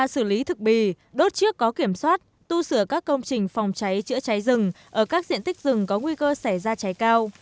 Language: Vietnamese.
xử lý thực bì đốt chiếc có kiểm soát tu sửa các công trình phòng cháy chữa cháy rừng ở các diện tích rừng có nguy cơ xảy ra cháy cao